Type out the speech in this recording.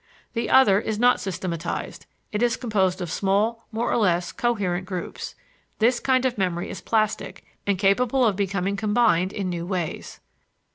The other is not systematized; it is composed of small, more or less coherent groups. This kind of memory is plastic and capable of becoming combined in new ways.